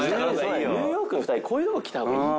ニューヨークの２人こういうとこ来た方がいい。